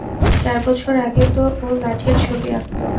চার বছর আগেও তো ও লাঠির ছবি আঁকতো।